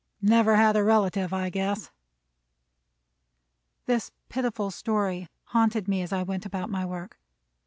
Never had a relative, I guess." This pitiful story haunted me as I went about my work.